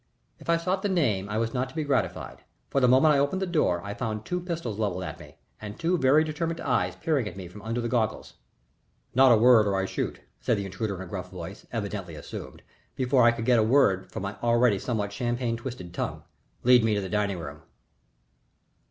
If I sought the name I was not to be gratified, for the moment I opened the door I found two pistols levelled upon me, and two very determined eyes peering at me from behind the goggles. "Not a word, or I shoot," said the intruder in a gruff voice, evidently assumed, before I could get a word from my already somewhat champagne twisted tongue. "Lead me to the dining room."